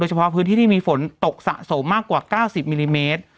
เฉพาะพื้นที่ที่มีฝนตกสะสมมากกว่า๙๐มิลลิเมตร